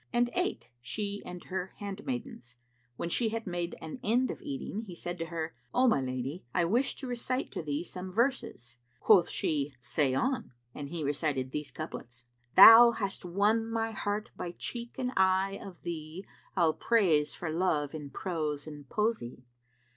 and ate, she and her handmaidens. When she had made an end of eating, he said to her, "O my lady, I wish to recite to thee some verses." Quoth she, "Say on," and he recited these couplets, "Thou hast won my heart by cheek and eye of thee, * I'll praise for love in prose and poesy.